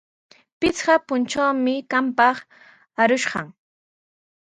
Pichqa puntrawmi qampaq arushaq.